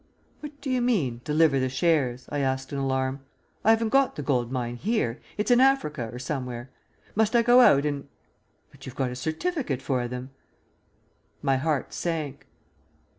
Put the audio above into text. "What do you mean, 'deliver the shares'?" I asked in alarm. "I haven't got the gold mine here; it's in Africa or somewhere. Must I go out and " "But you've got a certificate for them." My heart sank.